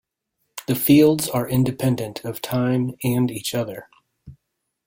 The fields are independent of time and each other.